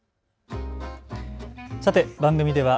さて番組では＃